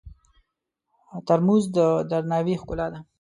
ترموز د درناوي ښکلا ده.